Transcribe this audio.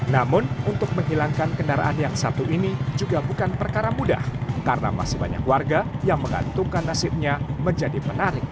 namun untuk menghilangkan kendaraan yang satu ini juga bukan perkara mudah karena masih banyak warga yang mengantungkan nasibnya menjadi penarik